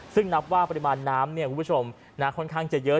ซึ่งนับว่าปริมาณน้ำคุณผู้ชมค่อนข้างจะเยอะ